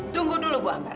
tunggu dulu ibu amber